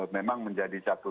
memang menjadi catatan